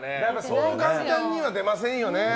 そう簡単には出ませんよね。